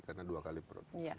karena dua kali produksi